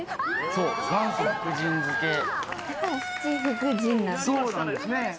そうなんですねぇ！